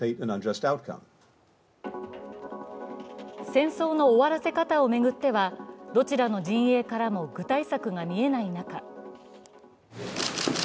戦争の終わらせ方を巡ってはどちらの陣営からも具体策が見えない中